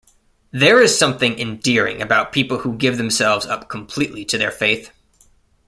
There is something endearing about people who give themselves up completely to their faith.